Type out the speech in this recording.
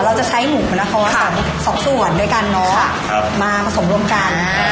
ก็เราจะใช้หมูสองส่วนด้วยกันน้อยมาผสมร่วมกัน